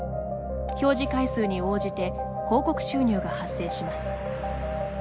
表示回数に応じて広告収入が発生します。